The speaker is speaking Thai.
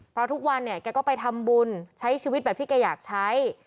เพราะทุกวันเนี่ยแกก็ไปทำบุญใช้ชีวิตแบบที่แกอยากใช้